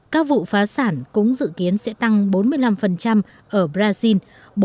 các vụ phá sản cũng dự kiến sẽ tăng bốn mươi năm ở brazil